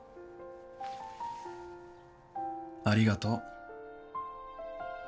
ありがとう。